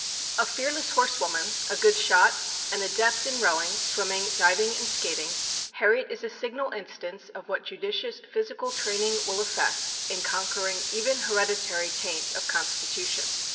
A fearless horsewoman, a good shot, an adept in rowing, swimming, div ing, and skating, Harriet is a signal in stance of what judicious physical training will effect in conquering even hereditary taint of constitution.